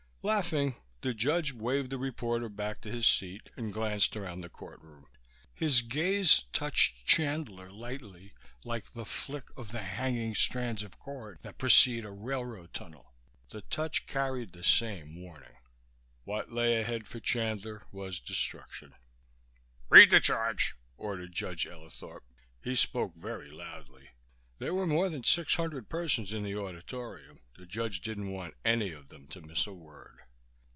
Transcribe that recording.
Laughing, the judge waved the reporter back to his seat and glanced around the courtroom. His gaze touched Chandler lightly, like the flick of the hanging strands of cord that precede a railroad tunnel. The touch carried the same warning. What lay ahead for Chandler was destruction. "Read the charge," ordered Judge Ellithorp. He spoke very loudly. There were more than six hundred persons in the auditorium; the judge didn't want any of them to miss a word.